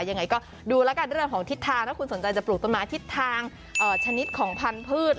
ยังไงก็ดูแล้วกันเรื่องของทิศทางถ้าคุณสนใจจะปลูกต้นไม้ทิศทางชนิดของพันธุ์